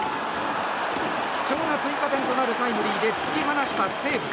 貴重な追加点となるタイムリーで突き放した西武。